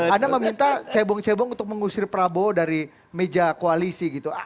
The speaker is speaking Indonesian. anda meminta cebong cebong untuk mengusir prabowo dari meja koalisi gitu